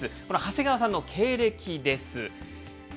この長谷川さんの経歴です。